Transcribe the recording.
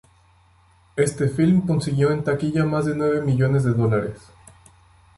Este film consiguió en taquilla más de nueve millones de dólares.